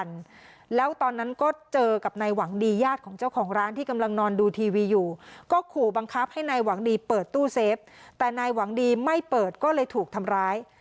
แต่นายหวังดีไม่เปิดก็เลยถูกทำร้าย